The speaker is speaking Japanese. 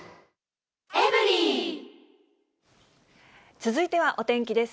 続いてはお天気です。